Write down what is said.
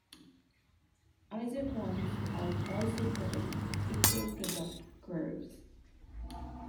Isoquants are also called equal product curves.